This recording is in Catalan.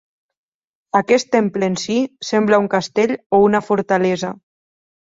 Aquest temple en si, sembla un castell o una fortalesa.